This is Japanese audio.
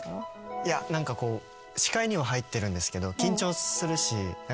いや何かこう視界には入ってるんですけど。